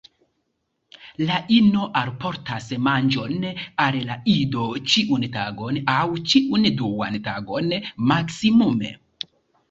La ino alportas manĝon al la ido ĉiun tagon aŭ ĉiun duan tagon maksimume.